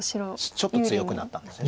ちょっと強くなったんですよね。